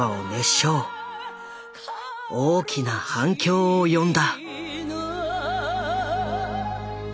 大きな反響を呼んだ。